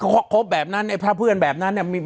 เขาคบแบบนั้นไอ้พระเพื่อนแบบนั้นเนี่ย